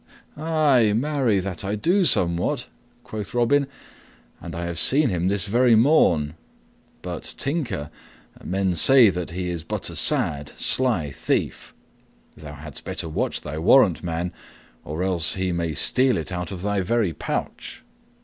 "Ay, marry, that I do somewhat," quoth Robin, "and I have seen him this very morn. But, Tinker, men say that he is but a sad, sly thief. Thou hadst better watch thy warrant, man, or else he may steal it out of thy very pouch."